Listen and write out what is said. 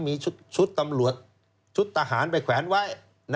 มีชุดตำรวจชุดทหารไปแขวนไว้